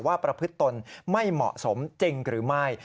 ประพฤติตนไม่เหมาะสมจริงหรือไม่